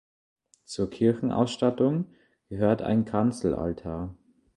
Zur Kirchenausstattung gehört ein Kanzelaltar.